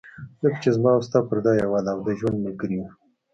ځکه چې زما او ستا پرده یوه ده، او د ژوند ملګري یو.